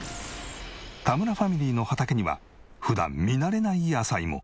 田村ファミリーの畑には普段見慣れない野菜も。